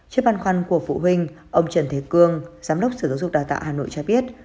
trước băn khoăn của phụ huynh ông trần thế cương giám đốc sở giáo dục đào tạo hà nội cho biết